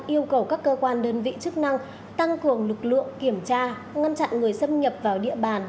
yêu cầu các cơ quan đơn vị chức năng tăng cường lực lượng kiểm tra ngăn chặn người xâm nhập vào địa bàn